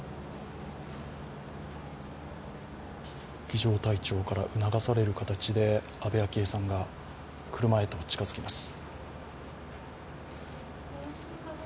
儀じょう隊長から促される形で安倍昭恵さんが車へと近づきます。